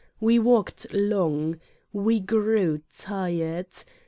We walked long. We grew tired.